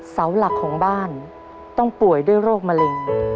เสาหลักของบ้านต้องป่วยด้วยโรคมะเร็ง